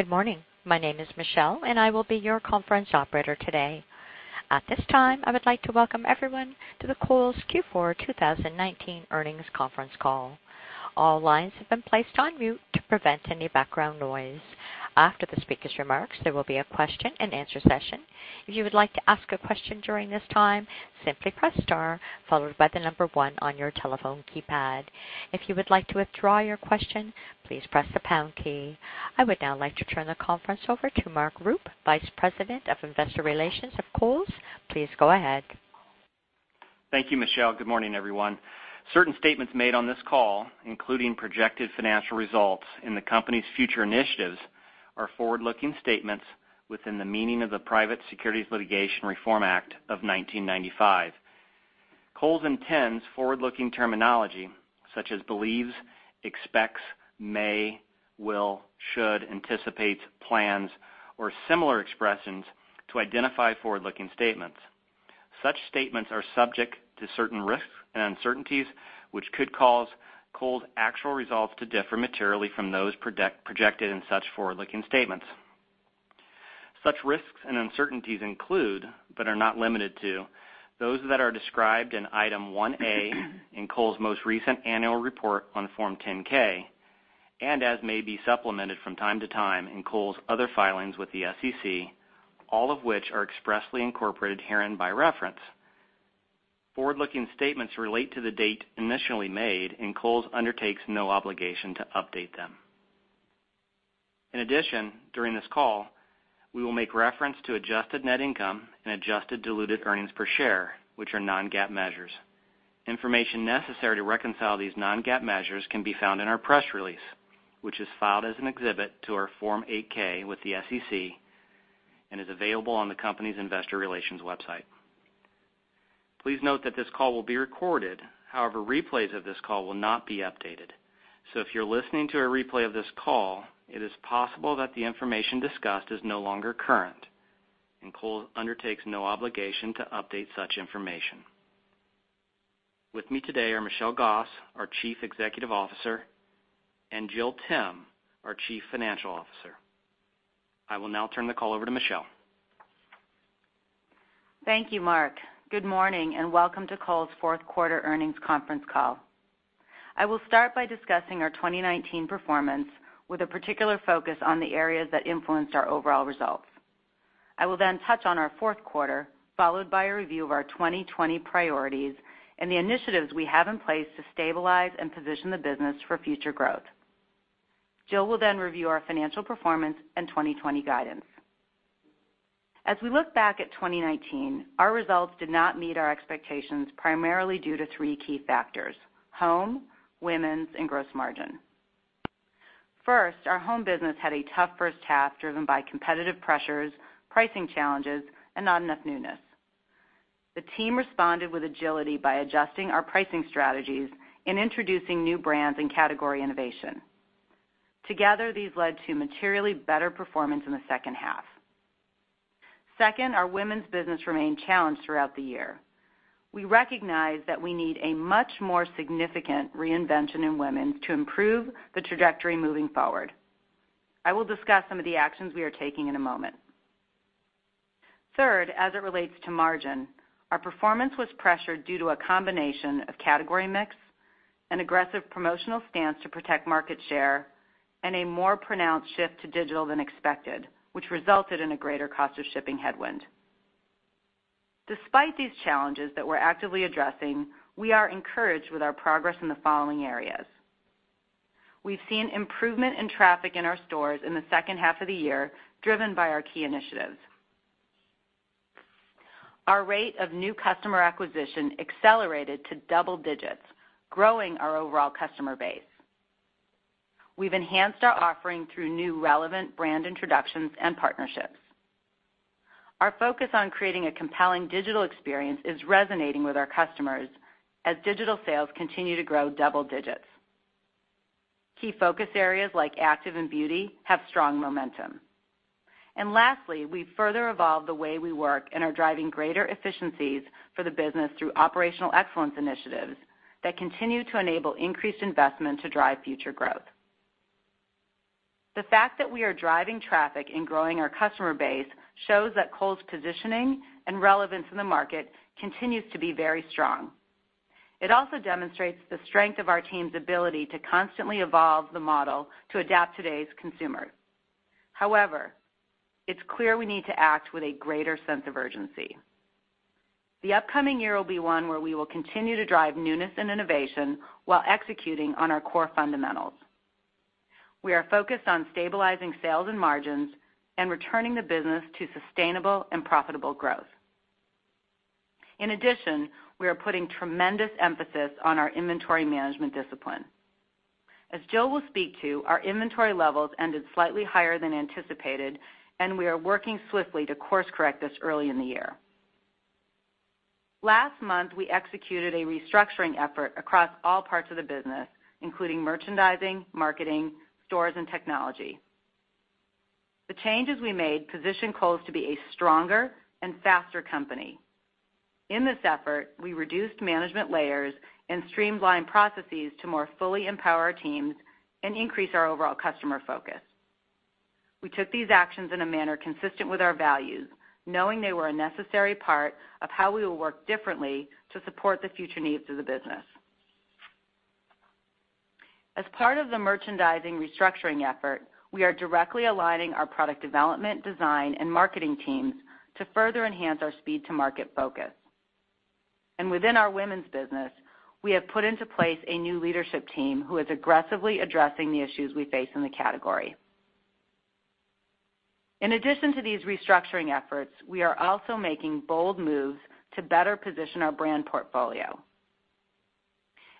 Good morning. My name is Michelle, and I will be your Conference Operator today. At this time, I would like to welcome everyone to the Kohl's Q4 2019 Earnings Conference Call. All lines have been placed on mute to prevent any background noise. After the speaker's remarks, there will be a question-and-answer session. If you would like to ask a question during this time, simply press star, followed by the number one on your telephone keypad. If you would like to withdraw your question, please press the pound key. I would now like to turn the conference over to Mark Rupe, Vice President of Investor Relations of Kohl's. Please go ahead. Thank you, Michelle. Good morning, everyone. Certain statements made on this call, including projected financial results and the company's future initiatives, are forward-looking statements within the meaning of the Private Securities Litigation Reform Act of 1995. Kohl's intends forward-looking terminology such as believes, expects, may, will, should, anticipates, plans, or similar expressions to identify forward-looking statements. Such statements are subject to certain risks and uncertainties, which could cause Kohl's actual results to differ materially from those projected in such forward-looking statements. Such risks and uncertainties include, but are not limited to, those that are described in Item 1A in Kohl's most recent annual report on Form 10-K, and as may be supplemented from time to time in Kohl's other filings with the SEC, all of which are expressly incorporated herein by reference. Forward-looking statements relate to the date initially made, and Kohl's undertakes no obligation to update them. In addition, during this call, we will make reference to adjusted net income and adjusted diluted earnings per share, which are non-GAAP measures. Information necessary to reconcile these non-GAAP measures can be found in our press release, which is filed as an exhibit to our Form 8-K with the SEC and is available on the company's investor relations website. Please note that this call will be recorded. However, replays of this call will not be updated. If you're listening to a replay of this call, it is possible that the information discussed is no longer current, and Kohl's undertakes no obligation to update such information. With me today are Michelle Gass, our Chief Executive Officer, and Jill Timm, our Chief Financial Officer. I will now turn the call over to Michelle. Thank you, Mark. Good morning and welcome to Kohl's Fourth Quarter Earnings Conference Call. I will start by discussing our 2019 performance with a particular focus on the areas that influenced our overall results. I will then touch on our 4th quarter, followed by a review of our 2020 priorities and the initiatives we have in place to stabilize and position the business for future growth. Jill will then review our financial performance and 2020 guidance. As we look back at 2019, our results did not meet our expectations primarily due to three key factors: Home, Women's, and Gross Margin. First, our home business had a tough 1st half driven by competitive pressures, pricing challenges, and not enough newness. The team responded with agility by adjusting our pricing strategies and introducing new brands and category innovation. Together, these led to materially better performance in the 2nd half. Second, our women's business remained challenged throughout the year. We recognize that we need a much more significant reinvention in women's to improve the trajectory moving forward. I will discuss some of the actions we are taking in a moment. Third, as it relates to margin, our performance was pressured due to a combination of category mix, an aggressive promotional stance to protect market share, and a more pronounced shift to digital than expected, which resulted in a greater cost of shipping headwind. Despite these challenges that we're actively addressing, we are encouraged with our progress in the following areas. We've seen improvement in traffic in our stores in the 2nd half of the year driven by our key initiatives. Our rate of new customer acquisition accelerated to double digits, growing our overall customer base. We've enhanced our offering through new relevant brand introductions and partnerships. Our focus on creating a compelling digital experience is resonating with our customers as digital sales continue to grow double digits. Key focus areas like active and beauty have strong momentum. Lastly, we've further evolved the way we work and are driving greater efficiencies for the business through operational excellence initiatives that continue to enable increased investment to drive future growth. The fact that we are driving traffic and growing our customer base shows that Kohl's positioning and relevance in the market continues to be very strong. It also demonstrates the strength of our team's ability to constantly evolve the model to adapt to today's consumers. However, it's clear we need to act with a greater sense of urgency. The upcoming year will be one where we will continue to drive newness and innovation while executing on our core fundamentals. We are focused on stabilizing sales and margins and returning the business to sustainable and profitable growth. In addition, we are putting tremendous emphasis on our Inventory Management discipline. As Jill will speak to, our inventory levels ended slightly higher than anticipated, and we are working swiftly to course-correct this early in the year. Last month, we executed a restructuring effort across all parts of the business, including merchandising, marketing, stores, and technology. The changes we made positioned Kohl's to be a stronger and faster company. In this effort, we reduced management layers and streamlined processes to more fully empower our teams and increase our overall customer focus. We took these actions in a manner consistent with our values, knowing they were a necessary part of how we will work differently to support the future needs of the business. As part of the merchandising restructuring effort, we are directly aligning our product development, design, and marketing teams to further enhance our Speed-to-market focus. Within our women's business, we have put into place a new leadership team who is aggressively addressing the issues we face in the category. In addition to these restructuring efforts, we are also making bold moves to better position our brand portfolio.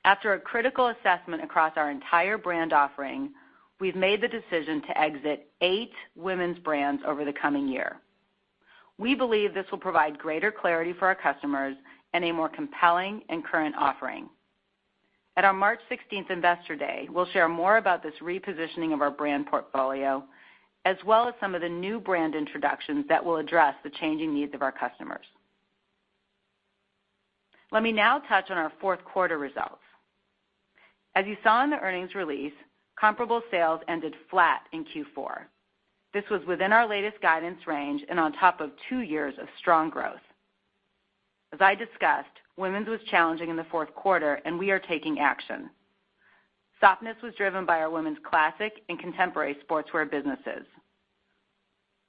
After a critical assessment across our entire brand offering, we've made the decision to exit eight Women's brands over the coming year. We believe this will provide greater clarity for our customers and a more compelling and current offering. At our March 16 Investor Day, we will share more about this repositioning of our brand portfolio, as well as some of the new brand introductions that will address the changing needs of our customers. Let me now touch on our 4th quarter results. As you saw in the earnings release, comparable sales ended flat in Q4. This was within our latest guidance range and on top of two years of strong growth. As I discussed, women's was challenging in the 4th quarter, and we are taking action. Softness was driven by our women's classic and contemporary sportswear businesses.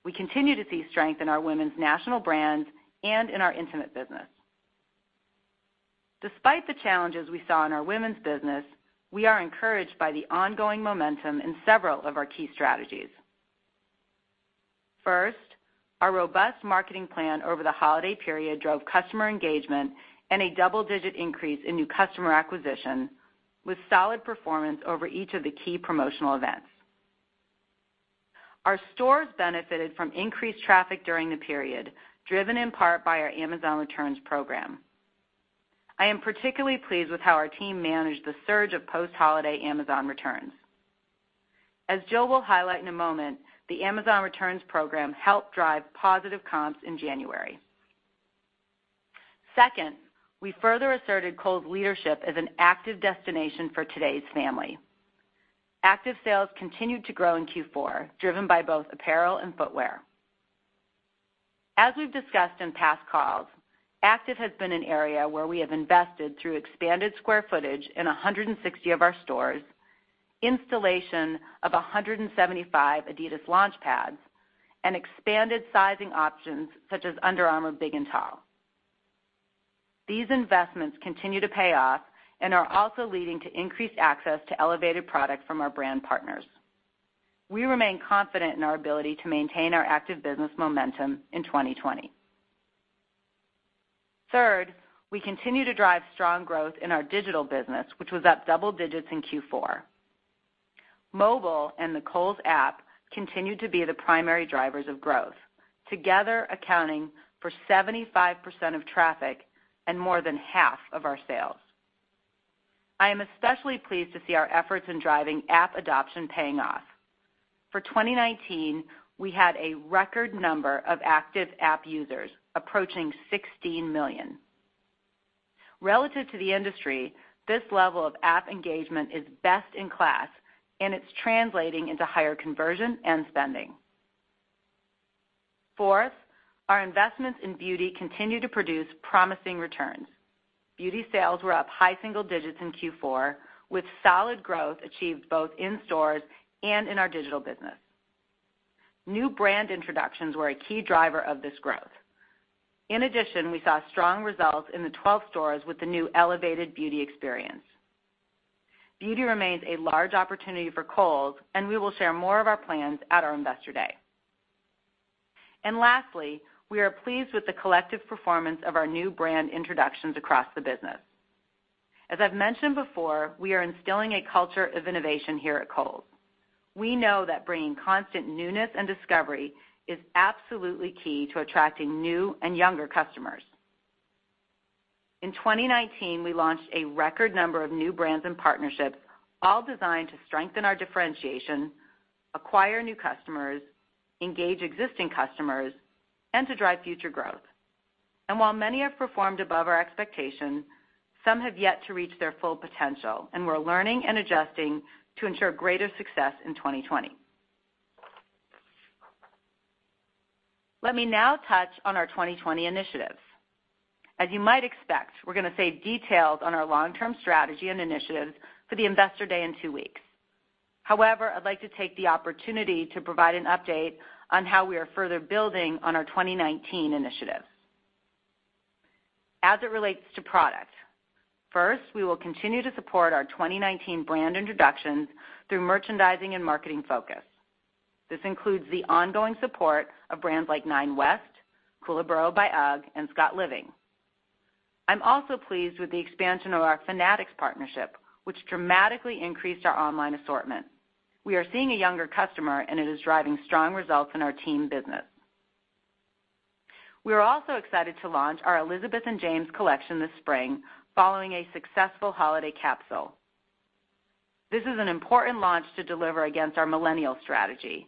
We continue to see strength in our Women's national brands and in our intimate business. Despite the challenges we saw in our women's business, we are encouraged by the ongoing momentum in several of our key strategies. First, our robust marketing plan over the holiday period drove customer engagement and a double-digit increase in new customer acquisition, with solid performance over each of the key promotional events. Our stores benefited from increased traffic during the period, driven in part by our Amazon Returns program. I am particularly pleased with how our team managed the surge of post-holiday Amazon returns. As Jill will highlight in a moment, the Amazon Returns program helped drive positive comps in January. Second, we further asserted Kohl's leadership as an active destination for today's family. Active sales continued to grow in Q4, driven by both apparel and footwear. As we've discussed in past calls, active has been an area where we have invested through expanded square footage in 160 of our stores, installation of 175 Adidas Launch Pads, and expanded sizing options such as Under Armour Big & Tall. These investments continue to pay off and are also leading to increased access to elevated product from our brand partners. We remain confident in our ability to maintain our active business momentum in 2020. Third, we continue to drive strong growth in our digital business, which was up double digits in Q4. Mobile and the Kohl's app continue to be the primary drivers of growth, together accounting for 75% of traffic and more than half of our sales. I am especially pleased to see our efforts in driving app adoption paying off. For 2019, we had a record number of active app users, approaching 16 million. Relative to the industry, this level of app engagement is best in class, and it's translating into higher conversion and spending. Fourth, our investments in beauty continue to produce promising returns. Beauty sales were up high single digits in Q4, with solid growth achieved both in stores and in our digital business. New brand introductions were a key driver of this growth. In addition, we saw strong results in the 12 stores with the new elevated beauty experience. Beauty remains a large opportunity for Kohl's, and we will share more of our plans at our Investor Day. Lastly, we are pleased with the collective performance of our new brand introductions across the business. As I've mentioned before, we are instilling a culture of innovation here at Kohl's. We know that bringing constant newness and discovery is absolutely key to attracting new and younger customers. In 2019, we launched a record number of new brands and partnerships, all designed to strengthen our differentiation, acquire new customers, engage existing customers, and to drive future growth. While many have performed above our expectations, some have yet to reach their full potential, and we're learning and adjusting to ensure greater success in 2020. Let me now touch on our 2020 initiatives. As you might expect, we're going to save details on our long-term strategy and initiatives for the Investor Day in two weeks. However, I'd like to take the opportunity to provide an update on how we are further building on our 2019 initiatives. As it relates to product, first, we will continue to support our 2019 brand introductions through merchandising and marketing focus. This includes the ongoing support of brands like Nine West, Koolaburra by UGG, and Scott Living. I'm also pleased with the expansion of our Fanatics partnership, which dramatically increased our online assortment. We are seeing a younger customer, and it is driving strong results in our team business. We are also excited to launch our Elizabeth and James collection this spring, following a successful Holiday Capsule. This is an important launch to deliver against our Millennial Strategy.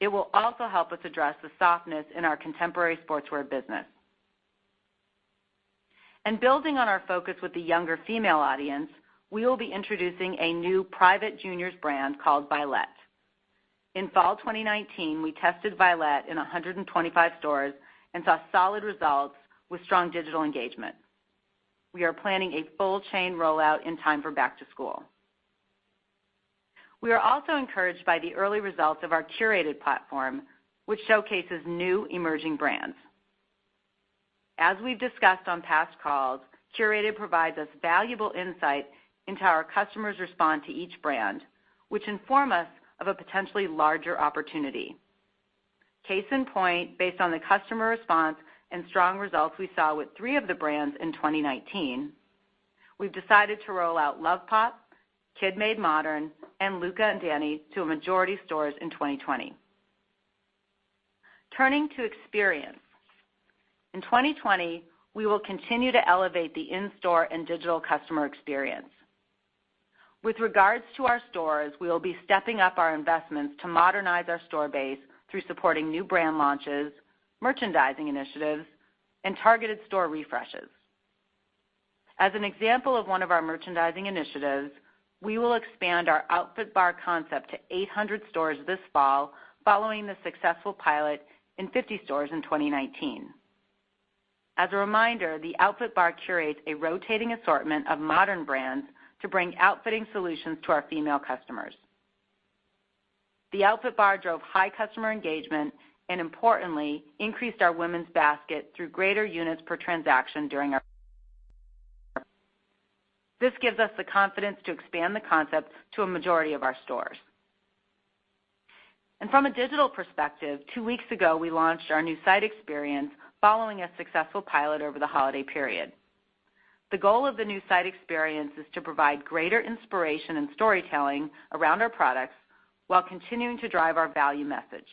It will also help us address the softness in our contemporary sportswear business. Building on our focus with the younger female audience, we will be introducing a new private juniors brand called Bylett. In fall 2019, we tested Bylett in 125 stores and saw solid results with strong digital engagement. We are planning a full chain rollout in time for back to school. We are also encouraged by the early results of our Curated platform, which showcases new emerging brands. As we have discussed on past calls, Curated provides us valuable insight into how our customers respond to each brand, which informs us of a potentially larger opportunity. Case in point, based on the customer response and strong results we saw with three of the brands in 2019, we have decided to roll out Lovepop, Kid Made Modern, and Luca + Danni to a majority of stores in 2020. Turning to experience, in 2020, we will continue to elevate the in-store and digital customer experience. With regards to our stores, we will be stepping up our investments to modernize our store base through supporting new brand launches, merchandising initiatives, and targeted store refreshes. As an example of one of our merchandising initiatives, we will expand our Outfit Bar concept to 800 stores this fall, following the successful pilot in 50 stores in 2019. As a reminder, the Outfit Bar curates a rotating assortment of modern brands to bring outfitting solutions to our female customers. The Outfit Bar drove high customer engagement and, importantly, increased our women's basket through greater units per transaction during our—this gives us the confidence to expand the concept to a majority of our stores. From a digital perspective, two weeks ago, we launched our new site experience following a successful pilot over the holiday period. The goal of the new site experience is to provide greater inspiration and storytelling around our products while continuing to drive our value message.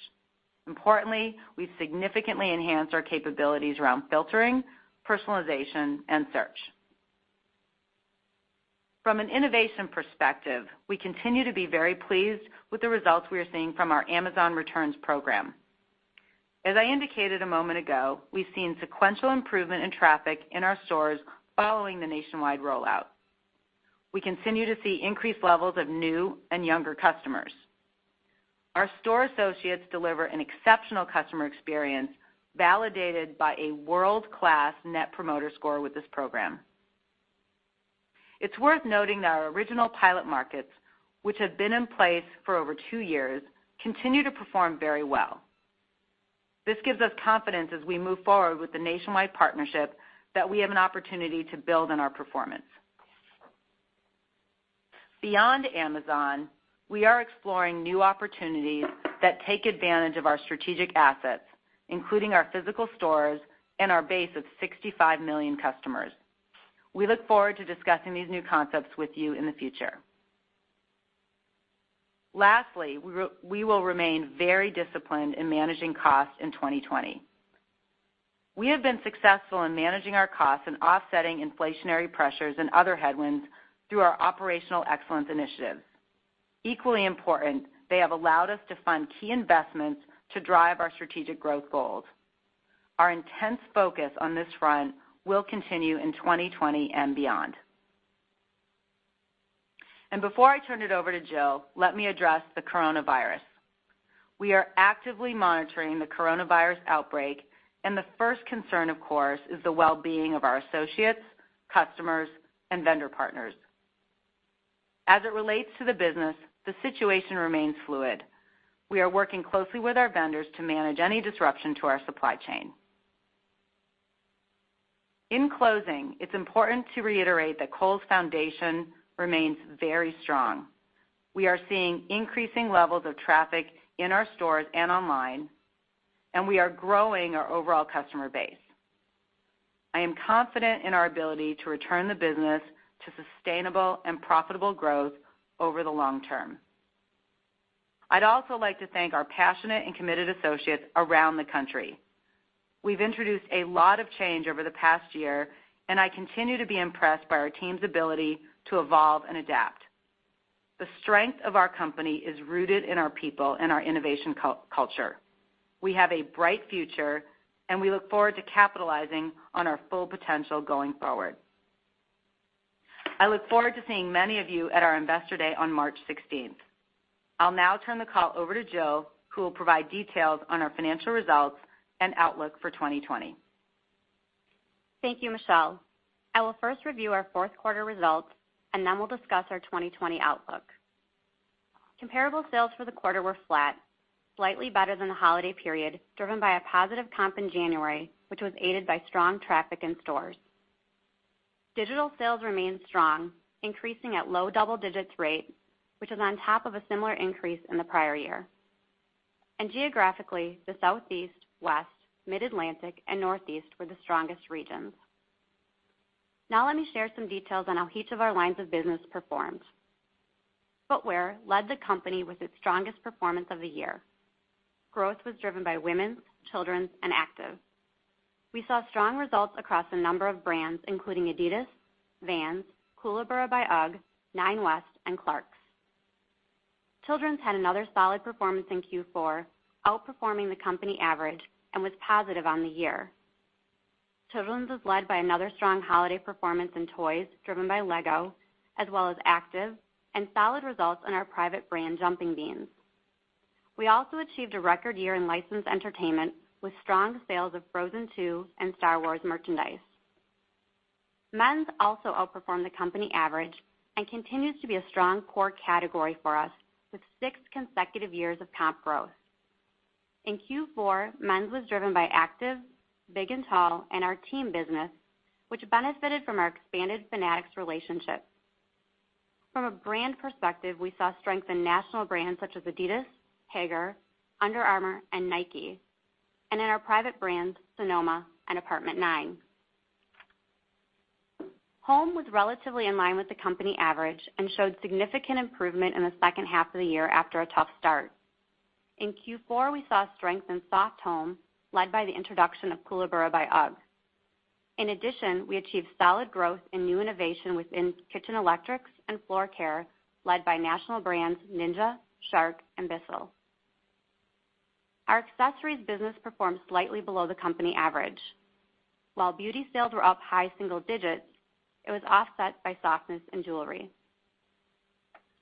Importantly, we've significantly enhanced our capabilities around filtering, personalization, and search. From an innovation perspective, we continue to be very pleased with the results we are seeing from our Amazon Returns program. As I indicated a moment ago, we've seen sequential improvement in traffic in our stores following the nationwide rollout. We continue to see increased levels of new and younger customers. Our store associates deliver an exceptional customer experience validated by a world-class net promoter score with this program. It's worth noting that our original pilot markets, which have been in place for over two years, continue to perform very well. This gives us confidence as we move forward with the nationwide partnership that we have an opportunity to build on our performance. Beyond Amazon, we are exploring new opportunities that take advantage of our strategic assets, including our physical stores and our base of 65 million customers. We look forward to discussing these new concepts with you in the future. Lastly, we will remain very disciplined in managing costs in 2020. We have been successful in managing our costs and offsetting inflationary pressures and other headwinds through our operational excellence initiatives. Equally important, they have allowed us to fund key investments to drive our strategic growth goals. Our intense focus on this front will continue in 2020 and beyond. Before I turn it over to Jill, let me address the Coronavirus. We are actively monitoring the Coronavirus outbreak, and the 1st concern, of course, is the well-being of our associates, customers, and vendor partners. As it relates to the business, the situation remains fluid. We are working closely with our vendors to manage any disruption to our supply chain. In closing, it's important to reiterate that Kohl's foundation remains very strong. We are seeing increasing levels of traffic in our stores and online, and we are growing our overall customer base. I am confident in our ability to return the business to sustainable and profitable growth over the long term. I'd also like to thank our passionate and committed associates around the country. We've introduced a lot of change over the past year, and I continue to be impressed by our team's ability to evolve and adapt. The strength of our company is rooted in our people and our innovation culture. We have a bright future, and we look forward to capitalizing on our full potential going forward. I look forward to seeing many of you at our Investor Day on March 16. I'll now turn the call over to Jill, who will provide details on our financial results and outlook for 2020. Thank you, Michelle. I will 1st review our 4th quarter results, and then we'll discuss our 2020 outlook. Comparable sales for the quarter were flat, slightly better than the holiday period, driven by a positive comp in January, which was aided by strong traffic in stores. Digital sales remained strong, increasing at low double-digits rate, which is on top of a similar increase in the prior year. Geographically, the Southeast, West, Mid-Atlantic, and Northeast were the strongest regions. Now let me share some details on how each of our lines of business performed. Footwear led the company with its strongest performance of the year. Growth was driven by women's, children's, and active. We saw strong results across a number of brands, including Adidas, Vans, Koolaburra by UGG, Nine West, and Clarks. Children's had another solid performance in Q4, outperforming the company average and was positive on the year. Children's was led by another strong holiday performance in toys, driven by Lego, as well as active and solid results in our private brand Jumping Beans. We also achieved a record year in licensed entertainment with strong sales of Frozen 2 and Star Wars merchandise. Men's also outperformed the company average and continues to be a strong core category for us with six consecutive years of comp growth. In Q4, Men's was driven by active, big and tall, and our team business, which benefited from our expanded Fanatics relationship. From a brand perspective, we saw strength in national brands such as Adidas, Haggar, Under Armour, and Nike, and in our private brands, Sonoma and Apt. 9. Home was relatively in line with the company average and showed significant improvement in the 2nd half of the year after a tough start. In Q4, we saw strength in soft home, led by the introduction of Koolaburra by UGG. In addition, we achieved solid growth in new innovation within kitchen electrics and floor care, led by national brands NINJA, SHARK, and BISSELL. Our accessories business performed slightly below the company average. While beauty sales were up high single digits, it was offset by softness in jewelry.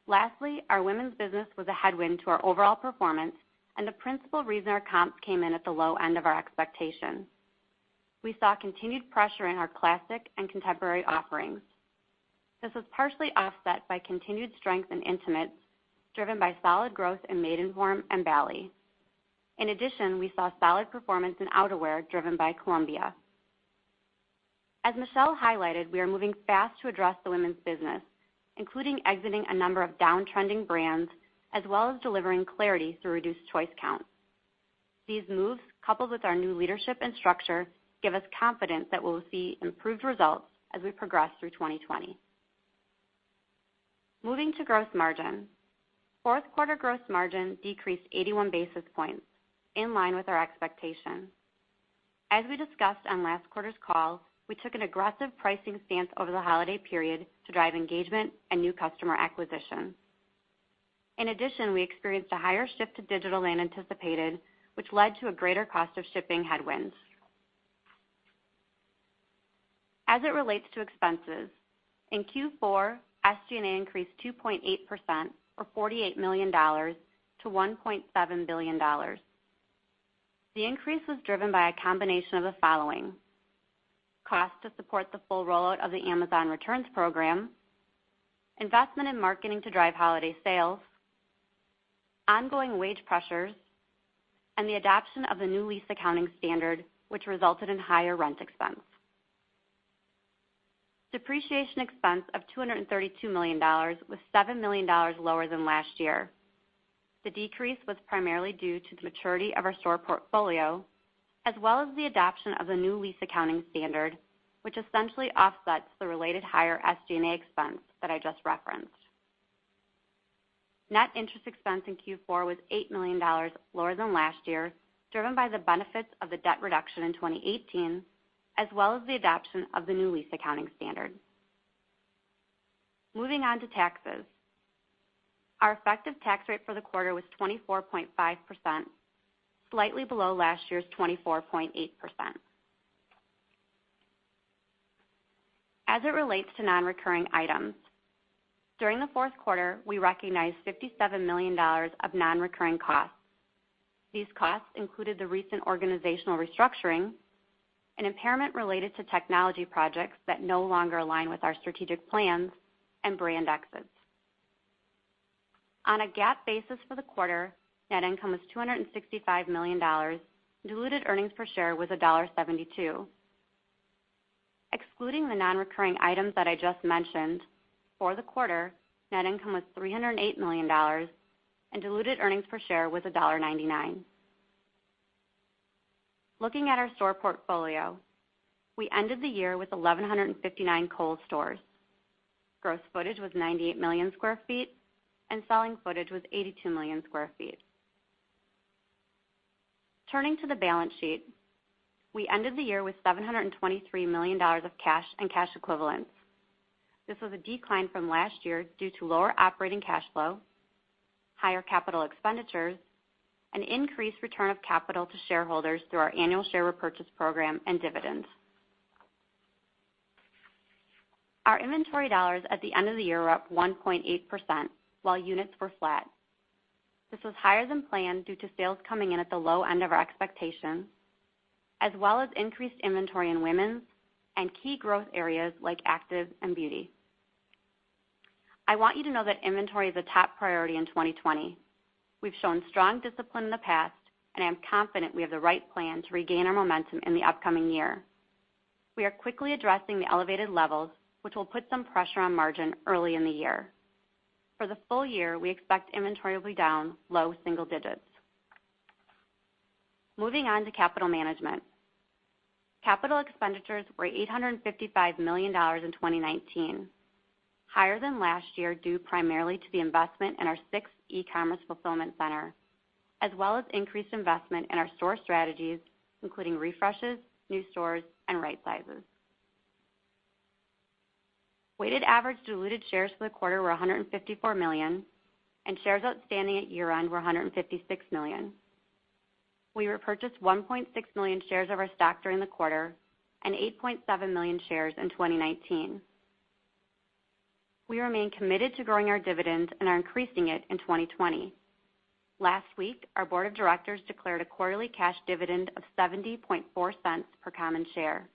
Lastly, our women's business was a headwind to our overall performance, and the principal reason our comps came in at the low end of our expectation. We saw continued pressure in our classic and contemporary offerings. This was partially offset by continued strength in intimates, driven by solid growth in Maidenform and Bali. In addition, we saw solid performance in outerwear, driven by Columbia. As Michelle highlighted, we are moving fast to address the women's business, including exiting a number of downtrending brands as well as delivering clarity through reduced choice counts. These moves, coupled with our new leadership and structure, give us confidence that we'll see improved results as we progress through 2020. Moving to gross margin, 4th quarter gross margin decreased 81 basis points, in line with our expectation. As we discussed on last quarter's call, we took an aggressive pricing stance over the holiday period to drive engagement and new customer acquisition. In addition, we experienced a higher shift to digital than anticipated, which led to a greater cost of shipping headwinds. As it relates to expenses, in Q4, SG&A increased 2.8%, or $48 million, to $1.7 billion. The increase was driven by a combination of the following: cost to support the full rollout of the Amazon Returns program, investment in marketing to drive Holiday Sales, ongoing wage pressures, and the adoption of the new lease accounting standard, which resulted in higher rent expense. Depreciation expense of $232 million was $7 million lower than last year. The decrease was primarily due to the maturity of our store portfolio, as well as the adoption of the new lease accounting standard, which essentially offsets the related higher SG&A expense that I just referenced. Net interest expense in Q4 was $8 million lower than last year, driven by the benefits of the debt reduction in 2018, as well as the adoption of the new lease accounting standard. Moving on to taxes, our effective tax rate for the quarter was 24.5%, slightly below last year's 24.8%. As it relates to non-recurring items, during the fourth quarter, we recognized $57 million of non-recurring costs. These costs included the recent organizational restructuring and impairment related to technology projects that no longer align with our strategic plans and brand exits. On a GAAP basis for the quarter, net income was $265 million. Diluted earnings per share was $1.72. Excluding the non-recurring items that I just mentioned, for the quarter, net income was $308 million, and diluted earnings per share was $1.99. Looking at our store portfolio, we ended the year with 1,159 Kohl's stores. Gross footage was 98 million sq ft, and selling footage was 82 million sq ft. Turning to the balance sheet, we ended the year with $723 million of cash and cash equivalents. This was a decline from last year due to lower Operating Cash Flow, higher capital expenditures, and increased return of capital to shareholders through our annual share repurchase program and dividends. Our inventory dollars at the end of the year were up 1.8%, while units were flat. This was higher than planned due to sales coming in at the low end of our expectations, as well as increased inventory in women's and key growth areas like active and beauty. I want you to know that inventory is a top priority in 2020. We've shown strong discipline in the past, and I'm confident we have the right plan to regain our momentum in the upcoming year. We are quickly addressing the elevated levels, which will put some pressure on margin early in the year. For the full year, we expect inventory will be down low single digits. Moving on to capital management. Capital expenditures were $855 million in 2019, higher than last year due primarily to the investment in our 6th E-commerce fulfillment center, as well as increased investment in our store strategies, including refreshes, new stores, and right sizes. Weighted average diluted shares for the quarter were 154 million, and shares outstanding at year-end were 156 million. We repurchased 1.6 million shares of our stock during the quarter and 8.7 million shares in 2019. We remain committed to growing our dividends and are increasing it in 2020. Last week, our Board of Directors declared a quarterly cash dividend of $0.704 per common share.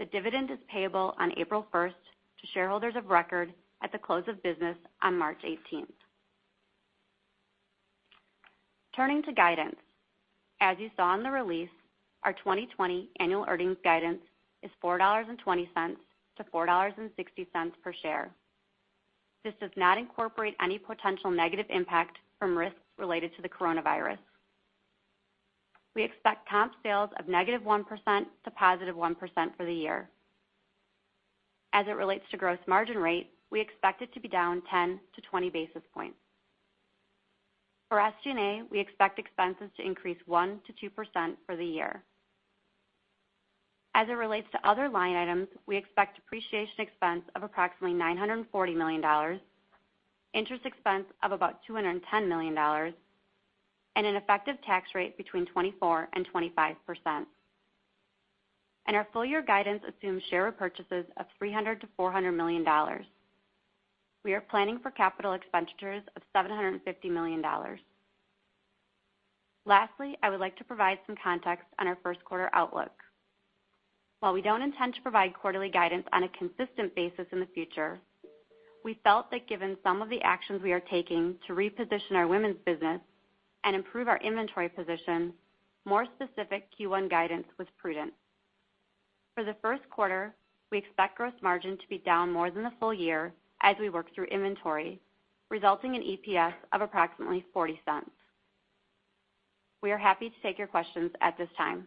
The dividend is payable on April 1st to shareholders of record at the close of business on March 18th. Turning to guidance, as you saw in the release, our 2020 annual earnings guidance is $4.20-$4.60 per share. This does not incorporate any potential negative impact from risks related to the Coronavirus. We expect comp sales of -1% to +1% for the year. As it relates to gross margin rate, we expect it to be down 10-20 basis points. For SG&A, we expect expenses to increase 1-2% for the year. As it relates to other line items, we expect depreciation expense of approximately $940 million, interest expense of about $210 million, and an effective tax rate between 24% and 25%. Our full-year guidance assumes share repurchases of $300-$400 million. We are planning for capital expenditures of $750 million. Lastly, I would like to provide some context on our 1st quarter outlook. While we don't intend to provide quarterly guidance on a consistent basis in the future, we felt that given some of the actions we are taking to reposition our women's business and improve our inventory position, more specific Q1 guidance was prudent. For the 1st quarter, we expect gross margin to be down more than the full year as we work through inventory, resulting in EPS of approximately $0.40. We are happy to take your questions at this time.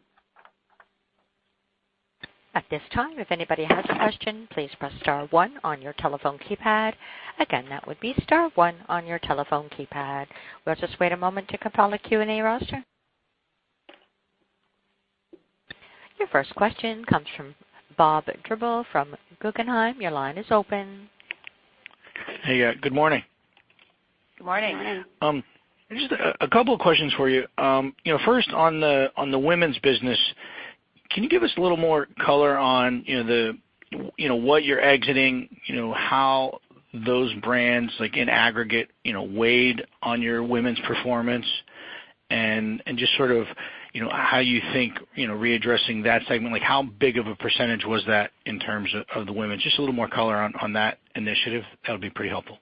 At this time, if anybody has a question, please press star one on your telephone keypad. Again, that would be star one on your telephone keypad. We'll just wait a moment to compile a Q&A roster. Your first question comes from Bob Drbul from Guggenheim. Your line is open. Hey, good morning. Good morning. Just a couple of questions for you. First, on the women's business, can you give us a little more color on what you're exiting, how those brands, in aggregate, weighed on your women's performance, and just sort of how you think readdressing that segment, how big of a percentage was that in terms of the women? Just a little more color on that initiative. That would be pretty helpful.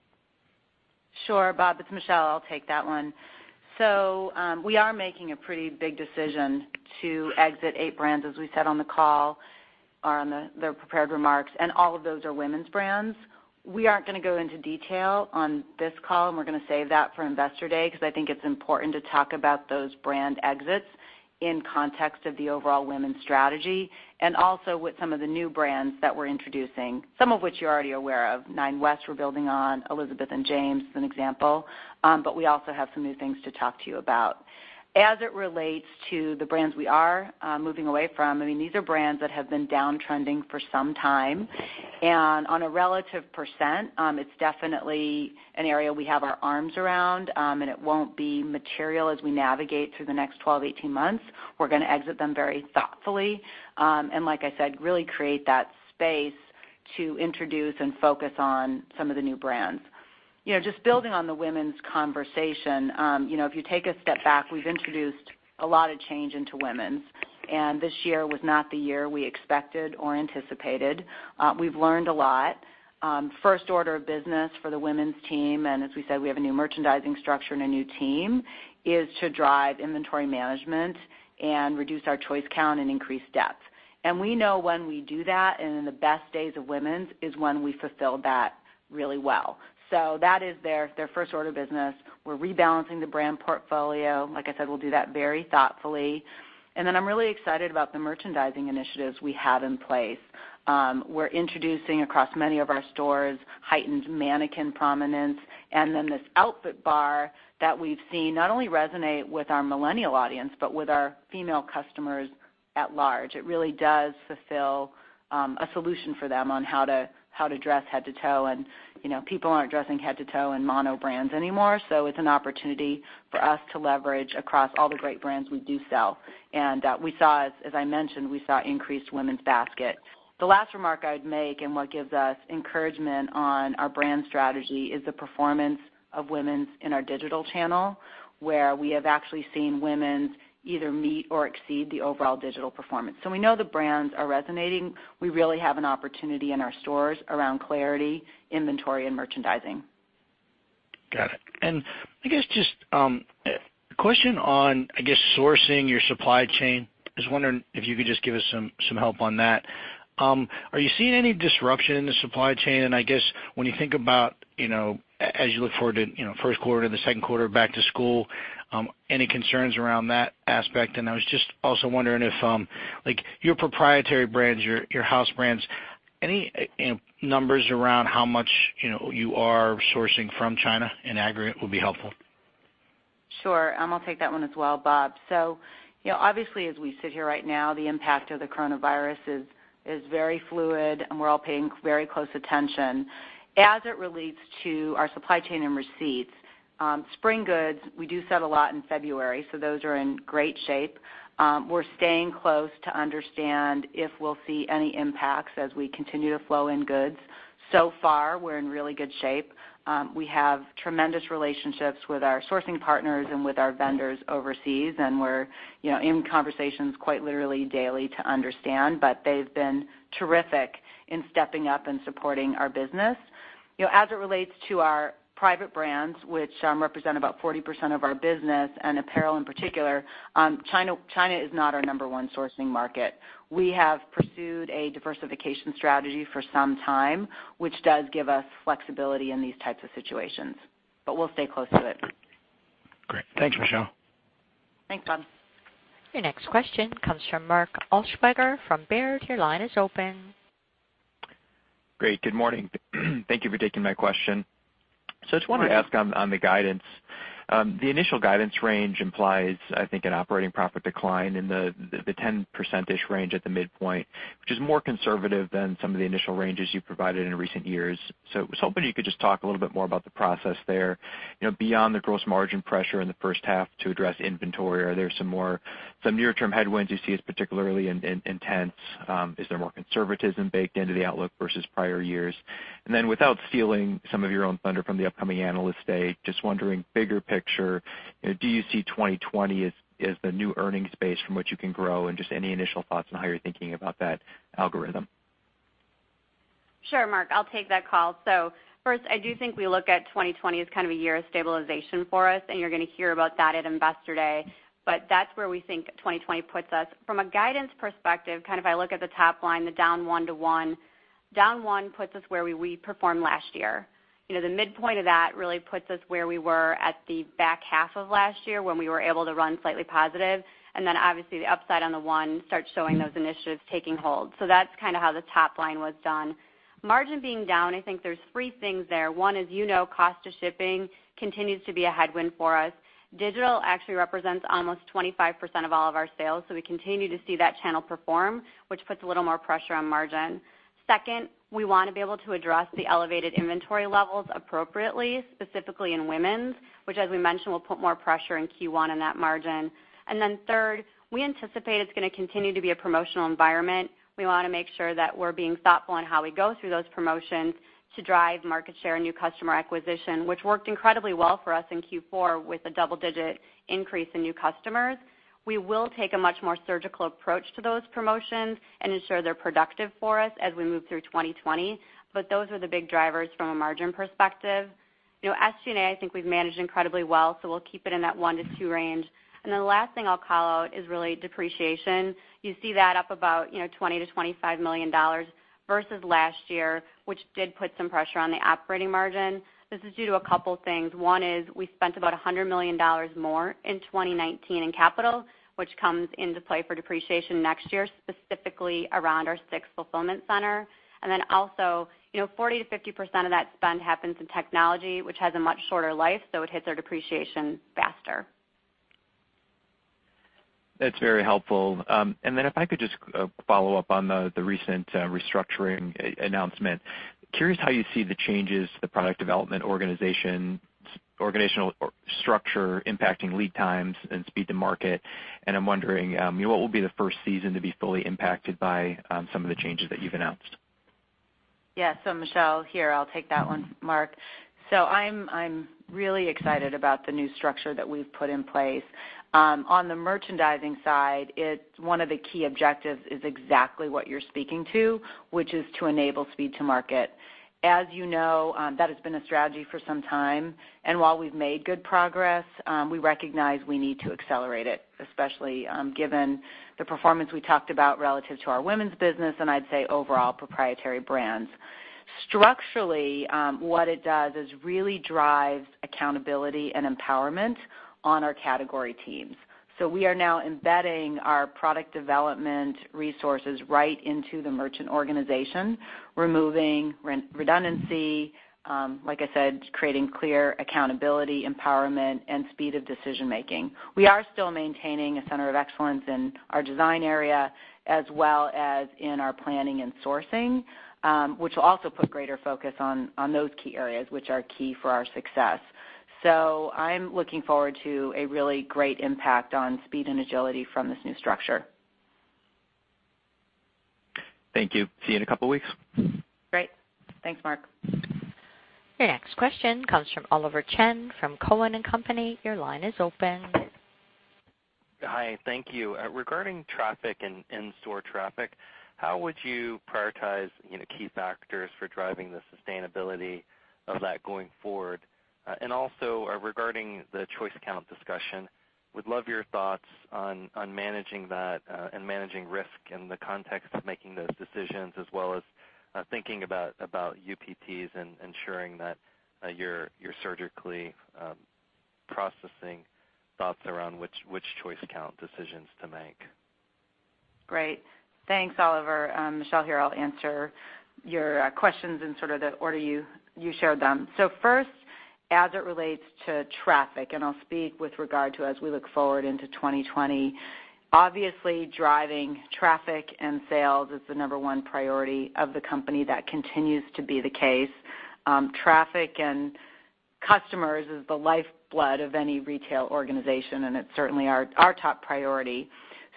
Sure, Bob. It's Michelle. I'll take that one. We are making a pretty big decision to exit eight brands, as we said on the call or on the prepared remarks, and all of those are women's brands. We aren't going to go into detail on this call, and we're going to save that for Investor Day because I think it's important to talk about those brand exits in context of the overall women's strategy and also with some of the new brands that we're introducing, some of which you're already aware of. Nine West, we're building on, Elizabeth and James as an example, but we also have some new things to talk to you about. As it relates to the brands we are moving away from, I mean, these are brands that have been downtrending for some time. On a relative percent, it's definitely an area we have our arms around, and it won't be material as we navigate through the next 12-18 months. We're going to exit them very thoughtfully and, like I said, really create that space to introduce and focus on some of the new brands. Just building on the women's conversation, if you take a step back, we've introduced a lot of change into women's, and this year was not the year we expected or anticipated. We've learned a lot. 1st order of business for the Women's team, and as we said, we have a new merchandising structure and a new team, is to drive Inventory Management and reduce our choice count and increase depth. We know when we do that, and in the best days of women's, is when we fulfill that really well. That is their 1st order of business. We're rebalancing the brand portfolio. Like I said, we'll do that very thoughtfully. I'm really excited about the merchandising initiatives we have in place. We're introducing across many of our stores heightened Mannequin prominence, and then this Outfit Bar that we've seen not only resonate with our millennial audience, but with our female customers at large. It really does fulfill a solution for them on how to dress head to toe, and people aren't dressing head to toe in mono brands anymore, so it's an opportunity for us to leverage across all the great brands we do sell. We saw, as I mentioned, we saw increased women's basket. The last remark I'd make and what gives us encouragement on our brand strategy is the performance of women's in our Digital Channel, where we have actually seen women's either meet or exceed the overall digital performance. We know the brands are resonating. We really have an opportunity in our stores around clarity, inventory, and merchandising. Got it. I guess just a question on, I guess, sourcing your supply chain. I was wondering if you could just give us some help on that. Are you seeing any disruption in the supply chain? I guess when you think about as you look forward to 1st quarter and the 2nd quarter, Back to School, any concerns around that aspect? I was just also wondering if your proprietary brands, your house brands, any numbers around how much you are sourcing from China in aggregate would be helpful. Sure. I'll take that one as well, Bob. Obviously, as we sit here right now, the impact of the Coronavirus is very fluid, and we're all paying very close attention. As it relates to our supply chain and receipts, spring goods, we do sell a lot in February, so those are in great shape. We're staying close to understand if we'll see any impacts as we continue to flow in goods. So far, we're in really good shape. We have tremendous relationships with our sourcing partners and with our vendors overseas, and we're in conversations quite literally daily to understand, but they've been terrific in stepping up and supporting our business. As it relates to our private brands, which represent about 40% of our business and apparel in particular, China is not our number one sourcing market. We have pursued a diversification strategy for some time, which does give us flexibility in these types of situations, but we'll stay close to it. Great. Thanks, Michelle. Thanks, Bob. Your next question comes from Mark Altschwager from Baird. Your line is open. Great. Good morning. Thank you for taking my question. So I just wanted to ask on the guidance. The initial guidance range implies, I think, an operating profit decline in the 10% range at the midpoint, which is more conservative than some of the initial ranges you provided in recent years. I was hoping you could just talk a little bit more about the process there. Beyond the gross margin pressure in the 1st half to address inventory, are there some near-term headwinds you see as particularly intense? Is there more Conservatism baked into the outlook versus prior years? Without stealing some of your own thunder from the upcoming Analyst Day, just wondering, bigger picture, do you see 2020 as the new earnings base from which you can grow and just any initial thoughts on how you're thinking about that algorithm? Sure, Mark. I'll take that call. First, I do think we look at 2020 as kind of a year of stabilization for us, and you're going to hear about that at Investor Day, but that's where we think 2020 puts us. From a guidance perspective, kind of I look at the top line, the down one to one. Down one puts us where we performed last year. The midpoint of that really puts us where we were at the back half of last year when we were able to run slightly positive, and then obviously the upside on the one starts showing those initiatives taking hold. That's kind of how the top line was done. Margin being down, I think there's three things there. One is cost of shipping continues to be a headwind for us. Digital actually represents almost 25% of all of our sales, so we continue to see that channel perform, which puts a little more pressure on margin. Second, we want to be able to address the elevated inventory levels appropriately, specifically in women's, which, as we mentioned, will put more pressure in Q1 on that margin. Third, we anticipate it's going to continue to be a promotional environment. We want to make sure that we're being thoughtful in how we go through those promotions to drive market share and new customer acquisition, which worked incredibly well for us in Q4 with a double-digit increase in new customers. We will take a much more surgical approach to those promotions and ensure they're productive for us as we move through 2020, but those are the big drivers from a margin perspective. SG&A, I think we've managed incredibly well, so we'll keep it in that one to two range. The last thing I'll call out is really depreciation. You see that up about $20-$25 million versus last year, which did put some pressure on the operating margin. This is due to a couple of things. One is we spent about $100 million more in 2019 in capital, which comes into play for depreciation next year, specifically around our 6th fulfillment center. Also, 40%-50% of that spend happens in technology, which has a much shorter life, so it hits our depreciation faster. That's very helpful. If I could just follow up on the recent restructuring announcement, curious how you see the changes to the product development organizational structure impacting lead times and speed to market. I'm wondering, what will be the 1st season to be fully impacted by some of the changes that you've announced? Yeah. Michelle here, I'll take that one, Mark. I'm really excited about the new structure that we've put in place. On the merchandising side, one of the key objectives is exactly what you're speaking to, which is to enable speed to market. As you know, that has been a strategy for some time, and while we've made good progress, we recognize we need to accelerate it, especially given the performance we talked about relative to our women's business and I'd say overall proprietary brands. Structurally, what it does is really drive accountability and empowerment on our category teams. We are now embedding our product development resources right into the merchant organization, removing redundancy, like I said, creating clear accountability, empowerment, and speed of decision-making. We are still maintaining a center of excellence in our design area as well as in our planning and sourcing, which will also put greater focus on those key areas, which are key for our success. I am looking forward to a really great impact on speed and agility from this new structure. Thank you. See you in a couple of weeks. Great. Thanks, Mark. Your next question comes from Oliver Chen from Cowen and Company. Your line is open. Hi. Thank you. Regarding traffic and store traffic, how would you prioritize key factors for driving the sustainability of that going forward? Also regarding the choice count discussion, would love your thoughts on managing that and managing risk in the context of making those decisions, as well as thinking about UPTs and ensuring that you are surgically processing thoughts around which choice count decisions to make. Great. Thanks, Oliver. Michelle here, I'll answer your questions in sort of the order you shared them. First, as it relates to traffic, and I'll speak with regard to as we look forward into 2020, obviously driving traffic and sales is the number one priority of the company. That continues to be the case. Traffic and customers is the lifeblood of any retail organization, and it's certainly our top priority.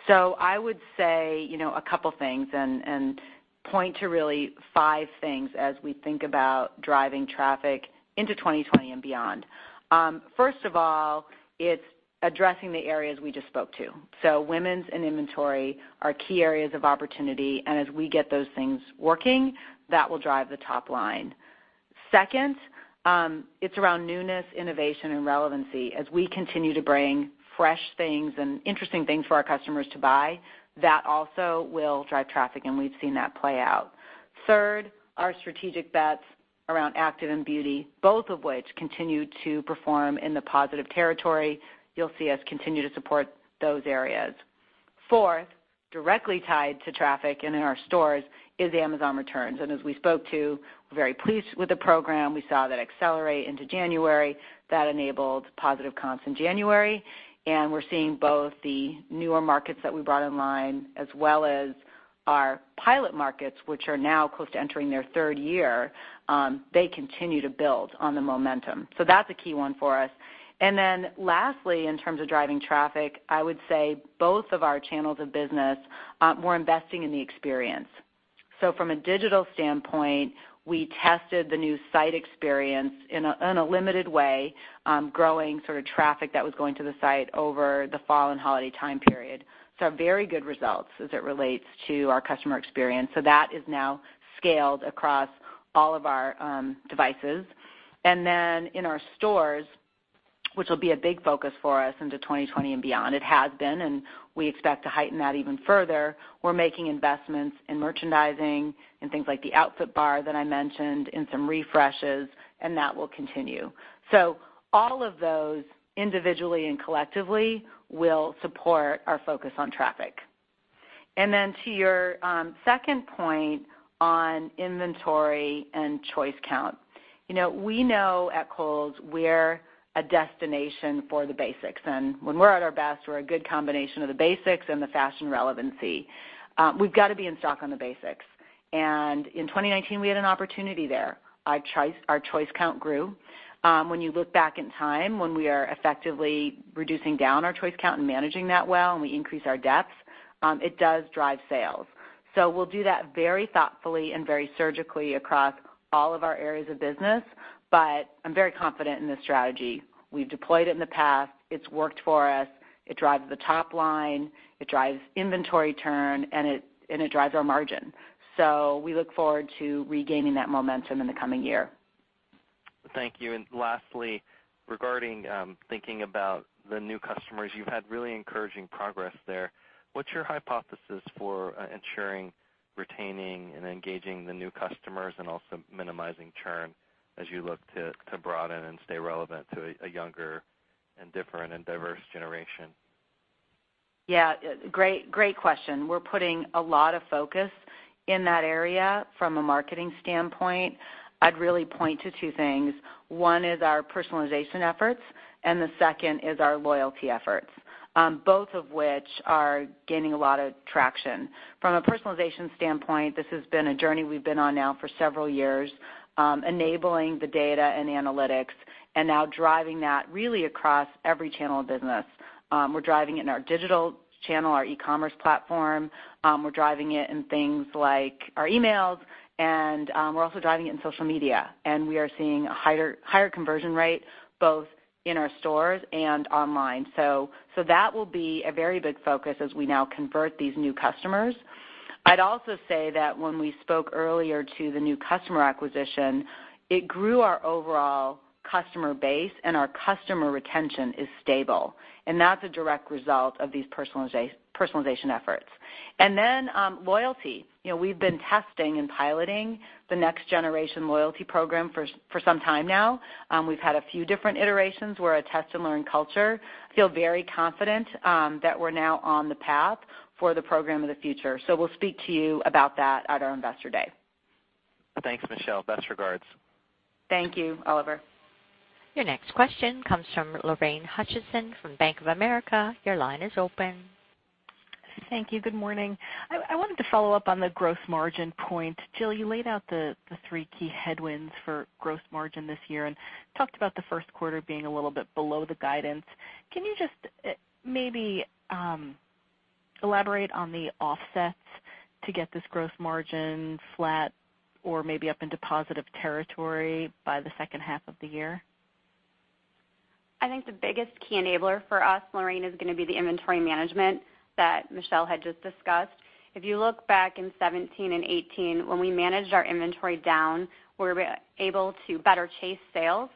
I would say a couple of things and point to really five things as we think about driving traffic into 2020 and beyond. First of all, it's addressing the areas we just spoke to. Women's and inventory are key areas of opportunity, and as we get those things working, that will drive the top line. Second, it's around newness, innovation, and relevancy. As we continue to bring fresh things and interesting things for our customers to buy, that also will drive traffic, and we've seen that play out. Third, our strategic bets around active and beauty, both of which continue to perform in the positive territory. You'll see us continue to support those areas. Fourth, directly tied to traffic and in our stores is Amazon returns. As we spoke to, we're very pleased with the program. We saw that accelerate into January. That enabled positive comps in January, and we're seeing both the newer markets that we brought in line as well as our pilot markets, which are now close to entering their 3rd year. They continue to build on the momentum. That is a key one for us. Lastly, in terms of driving traffic, I would say both of our channels of business, we're investing in the experience. From a digital standpoint, we tested the new site experience in a limited way, growing sort of traffic that was going to the site over the fall and holiday time period. Very good results as it relates to our customer experience. That is now scaled across all of our devices. In our stores, which will be a big focus for us into 2020 and beyond, it has been, and we expect to heighten that even further. We're making investments in merchandising and things like the Outfit Bar that I mentioned and some refreshes, and that will continue. All of those individually and collectively will support our focus on traffic. To your 2nd point on inventory and choice count, we know at Kohl's we're a destination for the basics. When we're at our best, we're a good combination of the basics and the fashion relevancy. We've got to be in stock on the basics. In 2019, we had an opportunity there. Our choice count grew. When you look back in time when we are effectively reducing down our choice count and managing that well and we increase our depth, it does drive sales. We will do that very thoughtfully and very surgically across all of our areas of business, but I'm very confident in this strategy. We've deployed it in the past. It's worked for us. It drives the top line. It drives inventory turn, and it drives our margin. We look forward to regaining that momentum in the coming year. Thank you. Lastly, regarding thinking about the new customers, you've had really encouraging progress there. What's your hypothesis for ensuring retaining and engaging the new customers and also minimizing churn as you look to broaden and stay relevant to a younger and different and diverse generation? Yeah. Great question. We're putting a lot of focus in that area from a marketing standpoint. I'd really point to two things. One is our personalization efforts, and the 2nd is our loyalty efforts, both of which are gaining a lot of traction. From a personalization standpoint, this has been a journey we've been on now for several years, enabling the data and analytics and now driving that really across every channel of business. We're driving it in our digital channel, our E-commerce platform. We're driving it in things like our emails, and we're also driving it in Social Media. We are seeing a higher conversion rate both in our stores and online. That will be a very big focus as we now convert these new customers. I'd also say that when we spoke earlier to the new customer acquisition, it grew our overall customer base, and our customer retention is stable. That's a direct result of these personalization efforts. Then loyalty. We've been testing and piloting the next generation Loyalty Program for some time now. We've had a few different iterations where a test and learn culture. I feel very confident that we're now on the path for the program of the future. We'll speak to you about that at our Investor Day. Thanks, Michelle. Best regards. Thank you, Oliver. Your next question comes from Lorraine Hutchinson from Bank of America. Your line is open. Thank you. Good morning. I wanted to follow up on the gross margin point. Jill, you laid out the three key headwinds for gross margin this year and talked about the 1st quarter being a little bit below the guidance. Can you just maybe elaborate on the offsets to get this gross margin flat or maybe up into positive territory by the 2nd half of the year? I think the biggest key enabler for us, Lorraine, is going to be the Inventory Management that Michelle had just discussed. If you look back in 2017 and 2018, when we managed our inventory down, we were able to better chase sales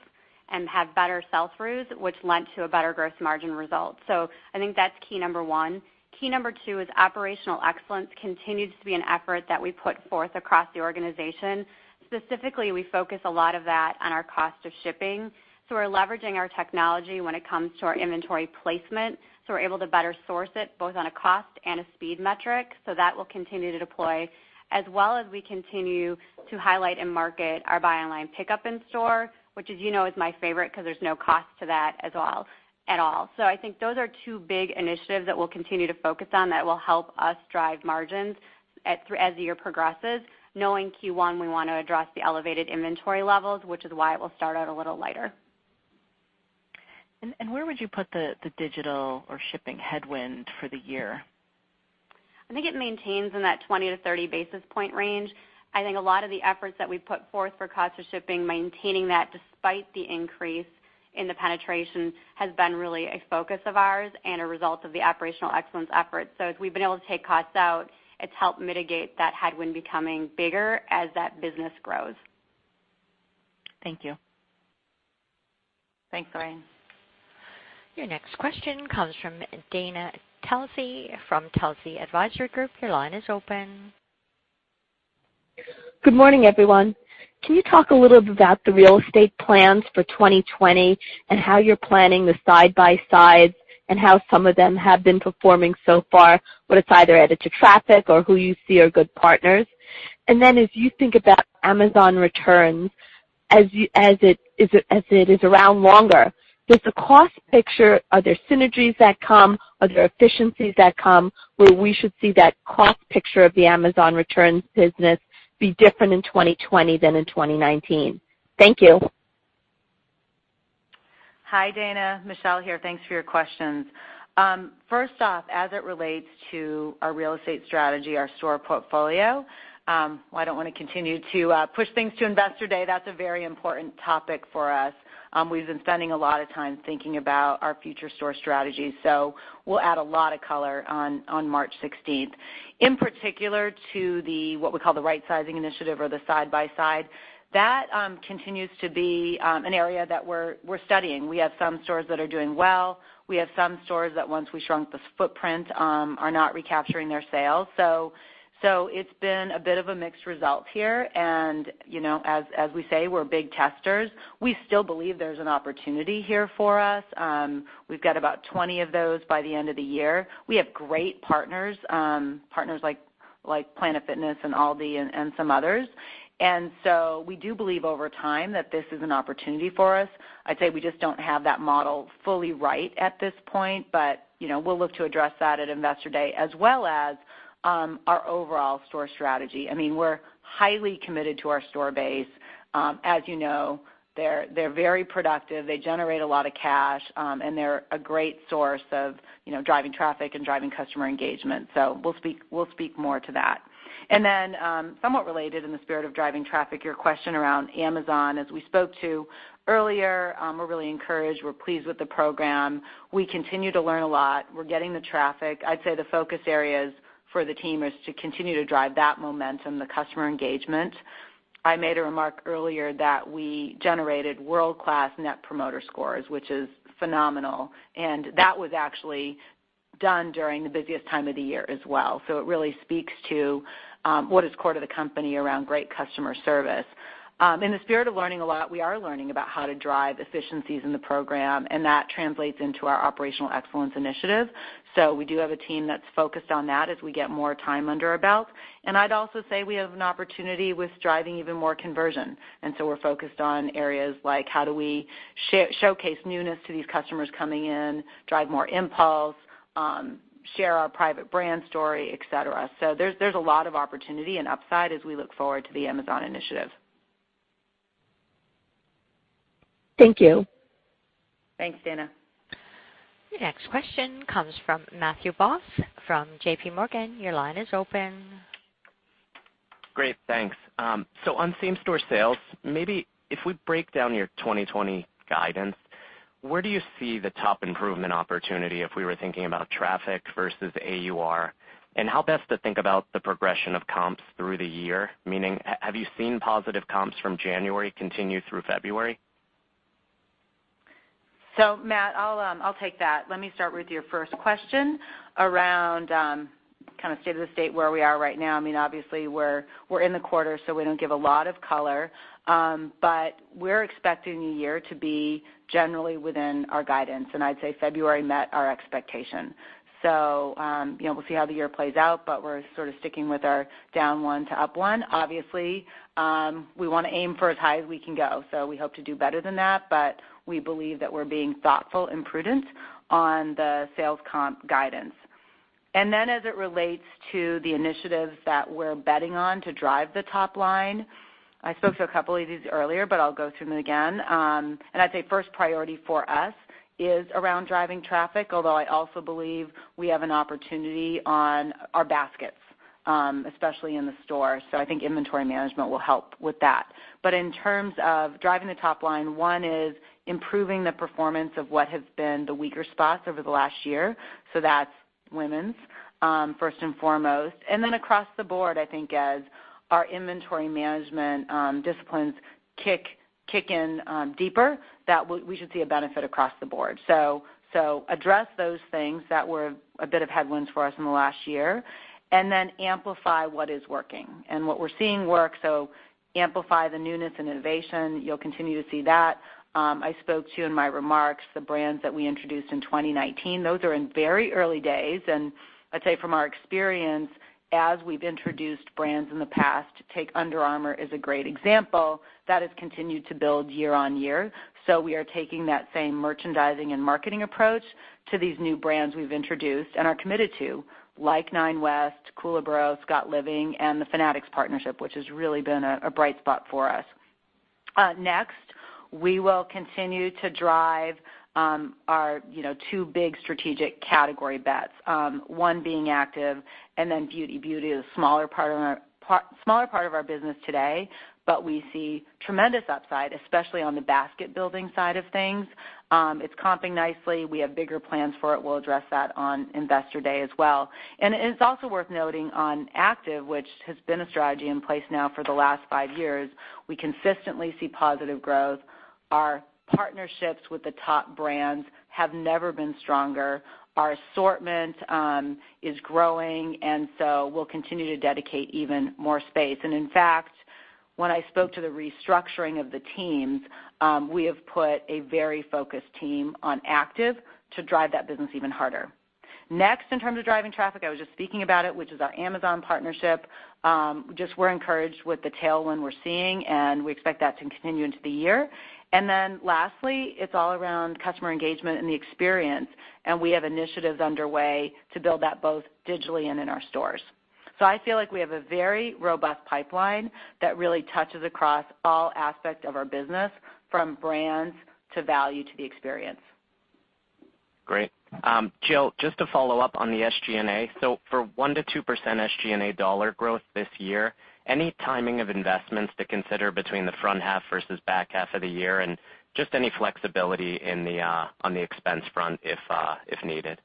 and have better sales throughs, which led to a better gross margin result. I think that's key number one. Key number two is operational excellence continues to be an effort that we put forth across the organization. Specifically, we focus a lot of that on our cost of shipping. We're leveraging our technology when it comes to our inventory placement. We're able to better source it both on a cost and a speed metric. That will continue to deploy as we continue to highlight and market our buy online pickup in store, which, as you know, is my favorite because there's no cost to that at all. I think those are two big initiatives that we'll continue to focus on that will help us drive margins as the year progresses. Knowing Q1, we want to address the elevated inventory levels, which is why it will start out a little lighter. Where would you put the digital or shipping headwind for the year? I think it maintains in that 20-30 basis point range. I think a lot of the efforts that we put forth for cost of shipping, maintaining that despite the increase in the penetration, has been really a focus of ours and a result of the operational excellence efforts. As we have been able to take costs out, it has helped mitigate that headwind becoming bigger as that business grows. Thank you. Thanks, Lorraine. Your next question comes from Dana Telsey from Telsey Advisory Group. Your line is open. Good morning, everyone. Can you talk a little bit about the Real Estate Plans for 2020 and how you are planning the side by sides and how some of them have been performing so far, whether it has either added to traffic or who you see are good partners? As you think about Amazon returns as it is around longer, does the cost picture, are there synergies that come? Are there efficiencies that come where we should see that cost picture of the Amazon returns business be different in 2020 than in 2019? Thank you. Hi, Dana. Michelle here. Thanks for your questions. First off, as it relates to our Real Estate Strategy, our store portfolio, I do not want to continue to push things to Investor Day. that is a very important topic for us. We have been spending a lot of time thinking about our future store strategy. We will add a lot of color on March 16. In particular to what we call the right sizing initiative or the side by side, that continues to be an area that we are studying. We have some stores that are doing well. We have some stores that once we shrunk the footprint are not recapturing their sales. It has been a bit of a mixed result here. As we say, we're big testers. We still believe there's an opportunity here for us. We've got about 20 of those by the end of the year. We have great partners, partners like Planet Fitness and Aldi and some others. We do believe over time that this is an opportunity for us. I'd say we just don't have that model fully right at this point, but we'll look to address that at Investor Day as well as our overall store strategy. I mean, we're highly committed to our store base. As you know, they're very productive. They generate a lot of cash, and they're a great source of driving traffic and driving customer engagement. We'll speak more to that. Somewhat related in the spirit of driving traffic, your question around Amazon. As we spoke to earlier, we're really encouraged. We're pleased with the program. We continue to learn a lot. We're getting the traffic. I'd say the focus areas for the team is to continue to drive that momentum, the customer engagement. I made a remark earlier that we generated world-class net promoter scores, which is phenomenal. That was actually done during the busiest time of the year as well. It really speaks to what is core to the company around great Customer Service. In the spirit of learning a lot, we are learning about how to drive efficiencies in the program, and that translates into our operational excellence initiative. We do have a team that's focused on that as we get more time under our belt. I'd also say we have an opportunity with driving even more conversion. We're focused on areas like how do we showcase newness to these customers coming in, drive more impulse, share our private brand story, etc. There is a lot of opportunity and upside as we look forward to the Amazon initiative. Thank you. Thanks, Dana. Your next question comes from Matthew Boss from J.P. Morgan. Your line is open. Great. Thanks. On same store sales, maybe if we break down your 2020 guidance, where do you see the top improvement opportunity if we were thinking about traffic versus AUR? How best to think about the progression of comps through the year? Meaning, have you seen positive comps from January continue through February? Matt, I'll take that. Let me start with your first question around kind of state of the state where we are right now. I mean, obviously, we're in the quarter, so we don't give a lot of color. We're expecting the year to be generally within our guidance. I'd say February met our expectation. We will see how the year plays out, but we're sort of sticking with our down one to up one. Obviously, we want to aim for as high as we can go. We hope to do better than that, but we believe that we're being thoughtful and prudent on the sales comp guidance. As it relates to the initiatives that we're betting on to drive the top line, I spoke to a couple of these earlier, but I'll go through them again. I'd say first priority for us is around driving traffic, although I also believe we have an opportunity on our baskets, especially in the store. I think Inventory Management will help with that. In terms of driving the top line, one is improving the performance of what has been the weaker spots over the last year. That's Women's 1st and foremost. Across the board, I think as our Inventory Management disciplines kick in deeper, we should see a benefit across the board. Address those things that were a bit of headwinds for us in the last year and then amplify what is working. What we're seeing works, so amplify the newness and innovation. You'll continue to see that. I spoke to you in my remarks, the brands that we introduced in 2019, those are in very early days. I'd say from our experience, as we've introduced brands in the past, take Under Armour as a great example. That has continued to build year-on-year. We are taking that same merchandising and marketing approach to these new brands we've introduced and are committed to, like Nine West, Scott Living, and the Fanatics partnership, which has really been a bright spot for us. Next, we will continue to drive our two big strategic category bets, one being Active and then Beauty. Beauty is a smaller part of our business today, but we see tremendous upside, especially on the basket building side of things. It's comping nicely. We have bigger plans for it. We'll address that on Investor Day as well. It's also worth noting on Active, which has been a strategy in place now for the last five years. We consistently see positive growth. Our partnerships with the top brands have never been stronger. Our assortment is growing, and we will continue to dedicate even more space. In fact, when I spoke to the restructuring of the teams, we have put a very focused team on Active to drive that business even harder. Next, in terms of driving traffic, I was just speaking about it, which is our Amazon partnership. We are encouraged with the tailwind we are seeing, and we expect that to continue into the year. Lastly, it is all around customer engagement and the experience. We have initiatives underway to build that both digitally and in our stores. I feel like we have a very robust pipeline that really touches across all aspects of our business, from brands to value to the experience. Great. Jill, just to follow up on the SG&A, so for 1-2% SG&A dollar growth this year, any timing of investments to consider between the front half versus back half of the year and just any flexibility on the expense front if needed?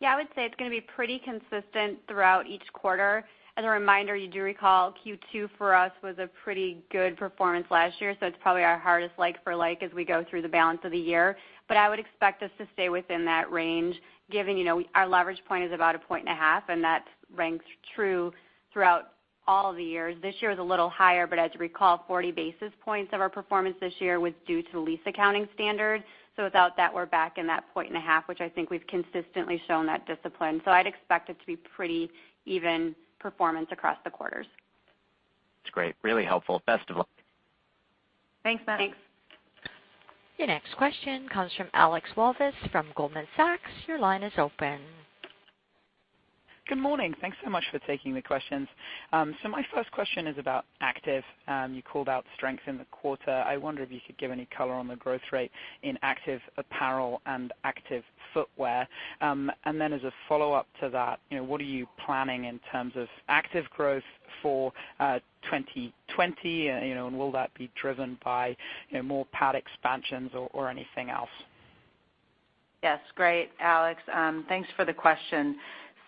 Yeah, I would say it's going to be pretty consistent throughout each quarter. As a reminder, you do recall Q2 for us was a pretty good performance last year. It is probably our hardest like for like as we go through the balance of the year. I would expect us to stay within that range given our leverage point is about a point and a half, and that ranks true throughout all the years. This year was a little higher, but as you recall, 40 basis points of our performance this year was due to the lease accounting standard. Without that, we're back in that point and a half, which I think we've consistently shown that discipline. I'd expect it to be pretty even performance across the quarters. That's great. Really helpful. Best of luck. Thanks, Matthew. Thanks. Your next question comes from Alex Wolf from Goldman Sachs. Your line is open. Good morning. Thanks so much for taking the questions. My first question is about Active. You called out strength in the quarter. I wonder if you could give any color on the growth rate in Active apparel and Active footwear. As a follow-up to that, what are you planning in terms of Active growth for 2020, and will that be driven by more pad expansions or anything else? Yes. Great, Alex. Thanks for the question.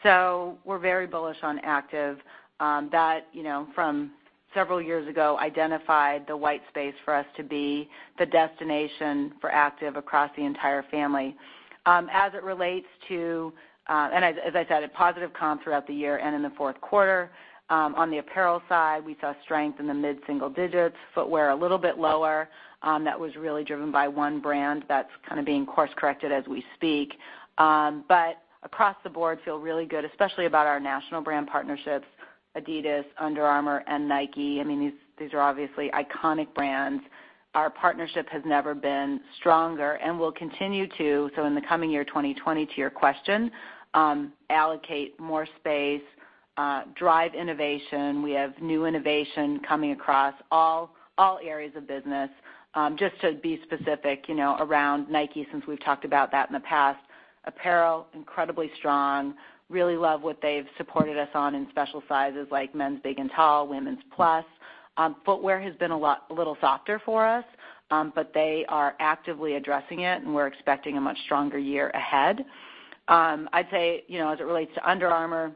We're very bullish on Active. That from several years ago identified the White Space for us to be the destination for Active across the entire family. As it relates to, and as I said, a positive comp throughout the year and in the fourth quarter. On the apparel side, we saw strength in the mid-single digits. Footwear a little bit lower. That was really driven by one brand that's kind of being course-corrected as we speak. Across the board, feel really good, especially about our national brand partnerships, Adidas, Under Armour, and Nike. I mean, these are obviously iconic brands. Our partnership has never been stronger and will continue to. In the coming year, 2020, to your question, allocate more space, drive innovation. We have new innovation coming across all areas of business. Just to be specific around Nike, since we've talked about that in the past, apparel, incredibly strong. Really love what they've supported us on in special sizes like men's big and tall, Women's plus. Footwear has been a little softer for us, but they are actively addressing it, and we're expecting a much stronger year ahead. I'd say as it relates to Under Armour,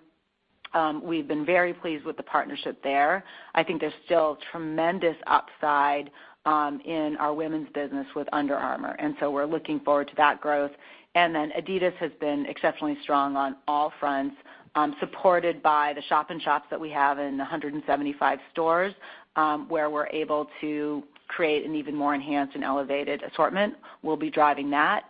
we've been very pleased with the partnership there. I think there's still tremendous upside in our Women's business with Under Armour. And so we're looking forward to that growth. Adidas has been exceptionally strong on all fronts, supported by the shop and shops that we have in 175 stores where we're able to create an even more enhanced and elevated assortment. We'll be driving that.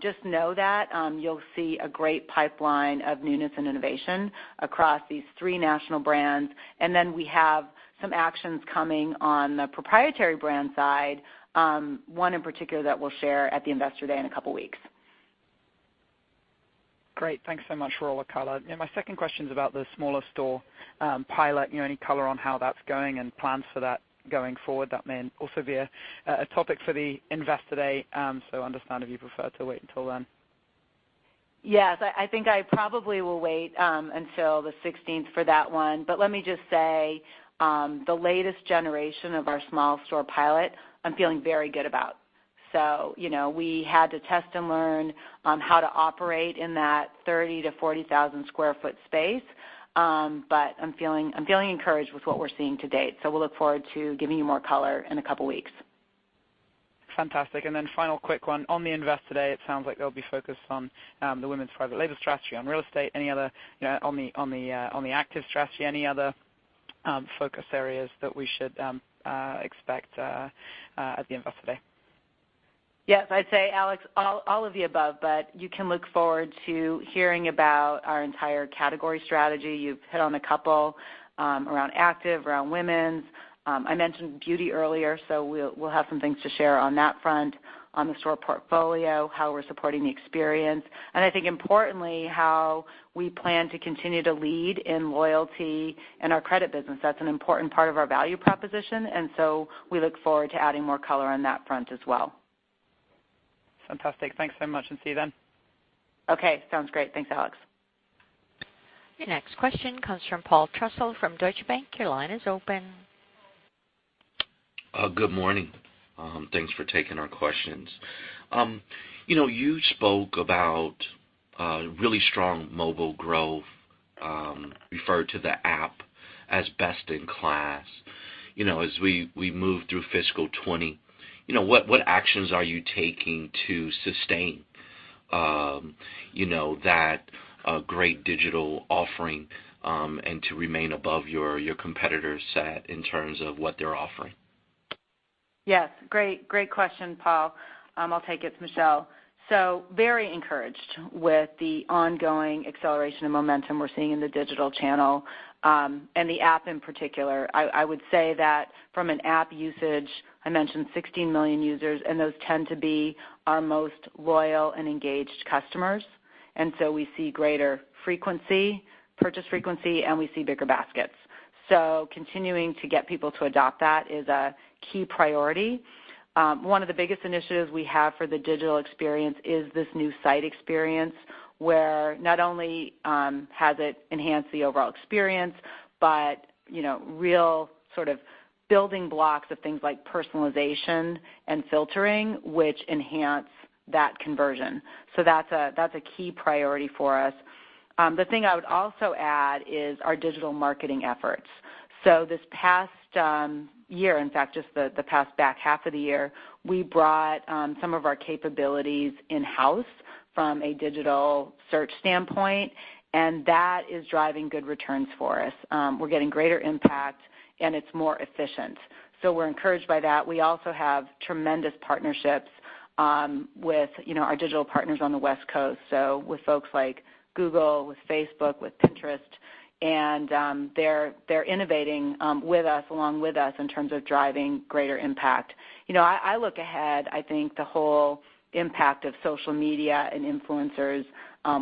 Just know that you'll see a great pipeline of newness and innovation across these three national brands. We have some actions coming on the proprietary brand side, one in particular that we'll share at the Investor Day in a couple of weeks. Great. Thanks so much. My second question is about the smaller store pilot. Any color on how that's going and plans for that going forward? That may also be a topic for the Investor Day. I understand if you prefer to wait until then. Yes. I think I probably will wait until the 16th for that one. Let me just say the latest generation of our small store pilot, I'm feeling very good about. We had to test and learn how to operate in that 30,000-40,000 sq ft space, but I'm feeling encouraged with what we're seeing to date. We'll look forward to giving you more color in a couple of weeks. Fantastic. Then final quick one. On the Investor Day, it sounds like they'll be focused on the Women's Private Label Strategy, on Real Estate. Any other on the Active strategy, any other focus areas that we should expect at the Investor Day? Yes. I'd say, Alex, all of the above, but you can look forward to hearing about our entire category strategy. You've hit on a couple around Active, around women's. I mentioned beauty earlier, so we'll have some things to share on that front, on the store portfolio, how we're supporting the experience. I think importantly, how we plan to continue to lead in loyalty and our Credit business. That's an important part of our value proposition. We look forward to adding more color on that front as well. Fantastic. Thanks so much. See you then. Okay. Sounds great. Thanks, Alex. Your next question comes from Paul Trussell from Deutsche Bank. Your line is open. Good morning. Thanks for taking our questions. You spoke about really strong mobile growth, referred to the app as best in class. As we move through fiscal 2020, what actions are you taking to sustain that great digital offering and to remain above your competitor set in terms of what they're offering? Yes. Great question, Paul. I'll take it, Michelle. Very encouraged with the ongoing acceleration and momentum we're seeing in the digital channel and the app in particular. I would say that from an app usage, I mentioned 16 million users, and those tend to be our most loyal and engaged customers. We see greater frequency, purchase frequency, and we see bigger baskets. Continuing to get people to adopt that is a key priority. One of the biggest initiatives we have for the digital experience is this new site experience where not only has it enhanced the overall experience, but real sort of building blocks of things like personalization and filtering, which enhance that conversion. That is a key priority for us. The thing I would also add is our digital marketing efforts. This past year, in fact, just the past back half of the year, we brought some of our capabilities In-house from a digital search standpoint, and that is driving good returns for us. We're getting greater impact, and it's more efficient. We are encouraged by that. We also have tremendous partnerships with our digital partners on the West Coast, with folks like Google, with Facebook, with Pinterest, and they're innovating with us, along with us, in terms of driving greater impact. I look ahead. I think the whole impact of social media and influencers,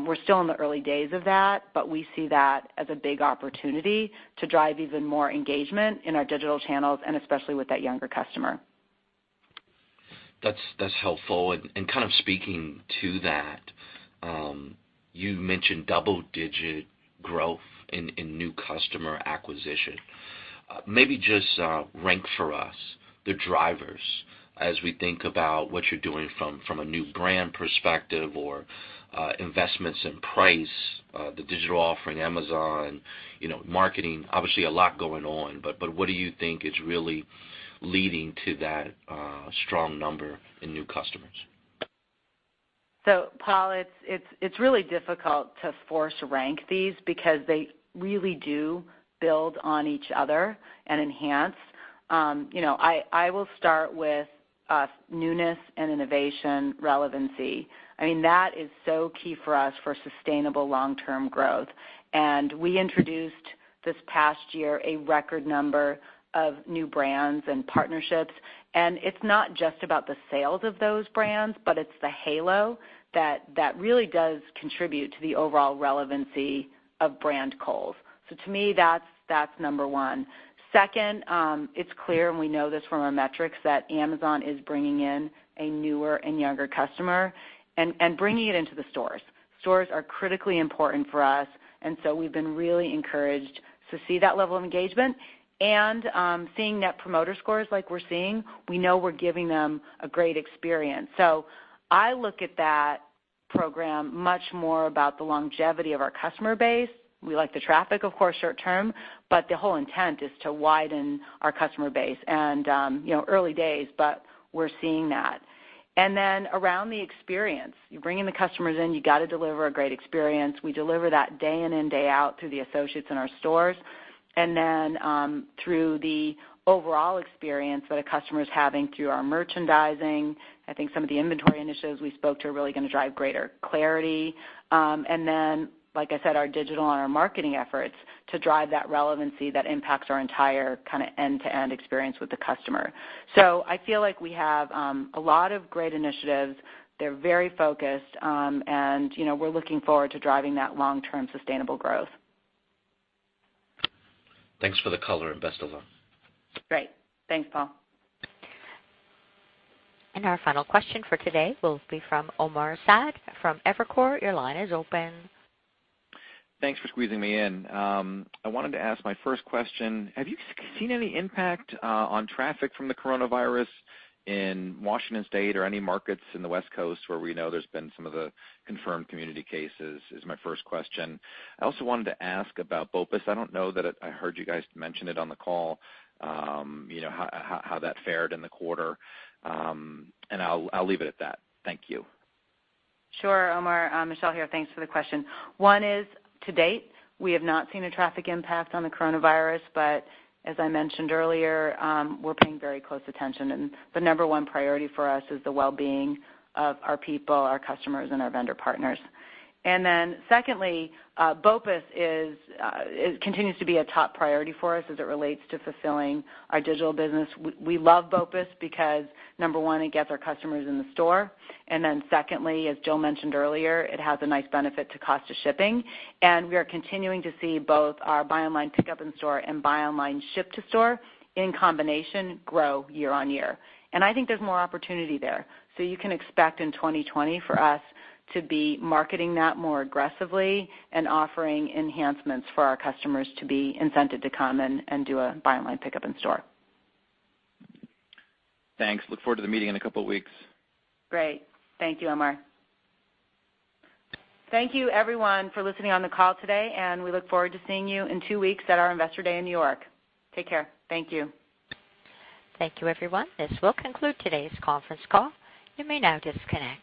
we're still in the early days of that, but we see that as a big opportunity to drive even more engagement in our digital channels, and especially with that younger customer. That's helpful. Kind of speaking to that, you mentioned double-digit growth in new customer acquisition. Maybe just rank for us the drivers as we think about what you're doing from a new brand perspective or investments in price, the digital offering, Amazon, marketing. Obviously, a lot going on, but what do you think is really leading to that strong number in new customers? Paul, it's really difficult to force rank these because they really do build on each other and enhance. I will start with newness and innovation relevancy. I mean, that is so key for us for sustainable long-term growth. We introduced this past year a record number of new brands and partnerships. It is not just about the sales of those brands, but it is the halo that really does contribute to the overall relevancy of brand Kohl's. To me, that is number one. Second, it is clear, and we know this from our metrics, that Amazon is bringing in a newer and younger customer and bringing it into the stores. Stores are critically important for us. We have been really encouraged to see that level of engagement. Seeing net promoter scores like we are seeing, we know we are giving them a great experience. I look at that program much more about the longevity of our customer base. We like the traffic, of course, short-term, but the whole intent is to widen our customer base. Early days, but we are seeing that. Around the experience, you're bringing the customers in. You got to deliver a great experience. We deliver that day in and day out through the associates in our stores. Through the overall experience that a customer is having through our merchandising, I think some of the inventory initiatives we spoke to are really going to drive greater clarity. Like I said, our digital and our marketing efforts drive that relevancy that impacts our entire kind of end-to-end experience with the customer. I feel like we have a lot of great initiatives. They're very focused, and we're looking forward to driving that long-term sustainable growth. Thanks for the color and best of luck. Great. Thanks, Paul. Our final question for today will be from Omar Saad from Evercore. Your line is open. Thanks for squeezing me in. I wanted to ask my first question. Have you seen any impact on traffic from the Coronavirus in Washington State or any markets in the West Coast where we know there's been some of the confirmed community cases? Is my first question. I also wanted to ask about BOPUS. I don't know that I heard you guys mention it on the call, how that fared in the quarter. I'll leave it at that. Thank you. Sure. Omar, Michelle here. Thanks for the question. One is to date, we have not seen a traffic impact on the Coronavirus, but as I mentioned earlier, we're paying very close attention. The number one priority for us is the well-being of our people, our customers, and our vendor partners. Secondly, BOPUS continues to be a top priority for us as it relates to fulfilling our digital business. We love BOPUS because, number one, it gets our customers in the store. Secondly, as Joe mentioned earlier, it has a nice benefit to cost of shipping. We are continuing to see both our Buy Online, Pick Up in Store and Buy Online, Ship to Store in combination grow year-on-year. I think there is more opportunity there. You can expect in 2020 for us to be marketing that more aggressively and offering enhancements for our customers to be incented to come and do a Buy Online, Pick Up in Store. Thanks. Look forward to the meeting in a couple of weeks. Great. Thank you, Omar. Thank you, everyone, for listening on the call today. We look forward to seeing you in two weeks at our Investor Day in New York. Take care. Thank you. Thank you, everyone. This will conclude today's conference call. You may now disconnect.